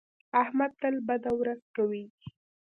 احمد تل بده ورځ کوي.